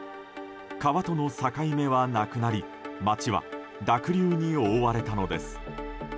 川との境目はなくなり街は濁流に覆われたのです。